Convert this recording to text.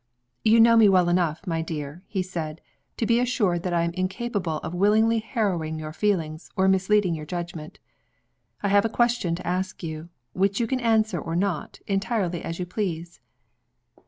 "You know me well enough, my dear," he said, "to be assured that I am incapable of willingly harrowing your feelings or misleading your judgment. I have a question to ask you, which you can answer or not, entirely as you please."